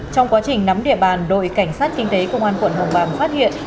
trong quá trình nắm địa bàn đội cảnh sát kinh tế công an quận hồng bàng phát hiện